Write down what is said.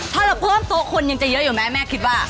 ถ้าเราเพิ่มโต๊ะคนยังจะเยอะอยู่ไหมแม่คิดว่า